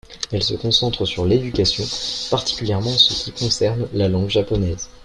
Elle se concentre sur l'éducation, particulièrement en ce qui concerne la langue japonaise.